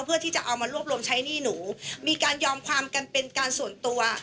เพื่อที่จะเอามารวบรวมใช้หนี้หนูมีการยอมความกันเป็นการส่วนตัว